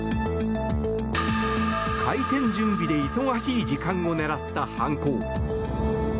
開店準備で忙しい時間を狙った犯行。